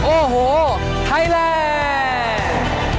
โอ้โหไทยแรก